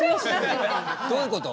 どういうこと？